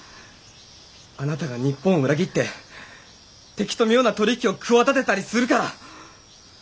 あなたが日本を裏切って敵と妙な取り引きを企てたりするから。